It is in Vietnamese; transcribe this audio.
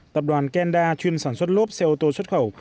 tập đoàn kenda chuyên sản xuất lốp xe ô tô xuất khẩu